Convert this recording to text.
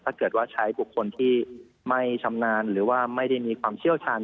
ถ้าเกิดว่าใช้บุคคลที่ไม่ชำนาญหรือว่าไม่ได้มีความเชี่ยวชาญ